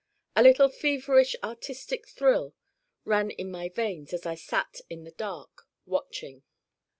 A little feverish artistic thrill ran in my veins as I sat in the dark watching.